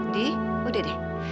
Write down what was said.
di udah deh